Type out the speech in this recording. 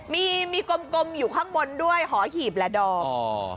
มีมีกลมอยู่ข้างบนด้วยหอหีบแหละดอม